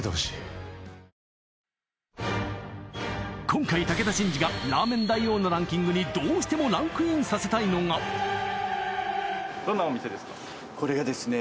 今回武田真治がラーメン大王のランキングにどうしてもランクインさせたいのがこれがですね